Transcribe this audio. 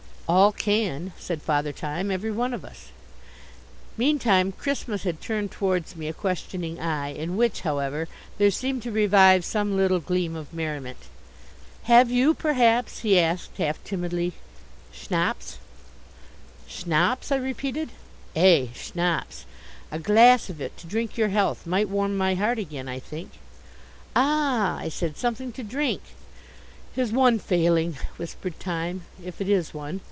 "All can," said Father Time, "every one of us." Meantime Christmas had turned towards me a questioning eye, in which, however, there seemed to revive some little gleam of merriment. "Have you, perhaps," he asked half timidly, "schnapps?" "Schnapps?" I repeated. "Ay, schnapps. A glass of it to drink your health might warm my heart again, I think." "Ah," I said, "something to drink?" "His one failing," whispered Time, "if it is one.